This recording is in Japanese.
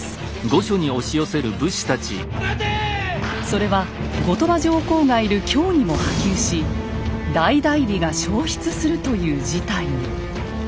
それは後鳥羽上皇がいる京にも波及し大内裏が焼失するという事態に。